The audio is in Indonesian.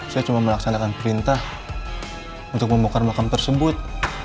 saya cuma melaksanakan perintah untuk membongkar makam tersebut